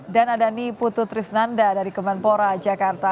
dan ada nipututris nanda dari kemenpora jakarta